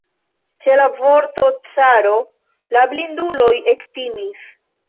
Ĉe la vorto "caro" la blinduloj ektimis.